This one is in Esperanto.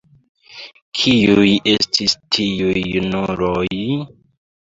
Kiuj estis tiuj junuloj?